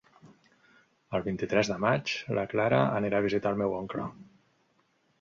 El vint-i-tres de maig na Clara anirà a visitar mon oncle.